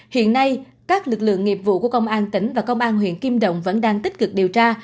hiện nay các lực lượng nghiệp vụ của công an tỉnh và công an huyện kim động vẫn đang tích cực điều tra